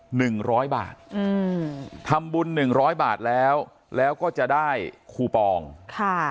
หนึ่งร้อยบาทอืมทำบุญหนึ่งร้อยบาทแล้วแล้วก็จะได้คูปองค่ะ